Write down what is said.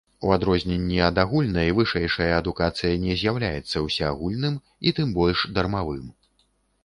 У адрозненні ад агульнай, вышэйшая адукацыя не з'яўляецца ўсеагульным і тым больш дармавым.